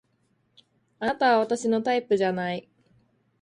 あなたは私のタイプじゃない